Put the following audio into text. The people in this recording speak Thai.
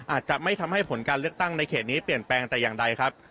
อาจจะไม่ทำให้ผลการเลือกตั้งในเขตนี้เปลี่ยนแปลงแต่อย่างใดครับ